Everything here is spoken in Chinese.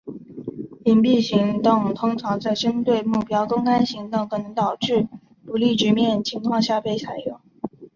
隐蔽行动通常在针对目标公开行动可能导致不利局面的情况下被采用。